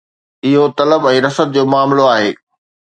اهو طلب ۽ رسد جو معاملو آهي.